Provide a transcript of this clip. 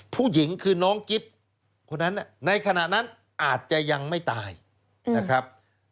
ผู้หญิงคือน้องกิ๊บคนนั้นในขณะนั้นอาจจะยังไม่ตายนะครับ